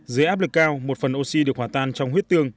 dưới áp lực cao một phần oxy được hòa tan trong huyết tương